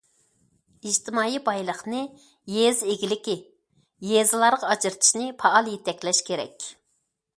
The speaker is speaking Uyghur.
ئىجتىمائىي بايلىقنى يېزا ئىگىلىكى، يېزىلارغا ئاجرىتىشنى پائال يېتەكلەش كېرەك.